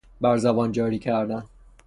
بر زبان جاری کردن